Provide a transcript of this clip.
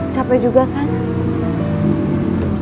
capek juga kan